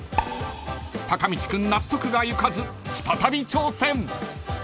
［たかみち君納得がいかず再び挑戦］